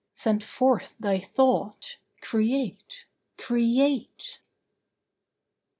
Send forth thy thought— Create—Create!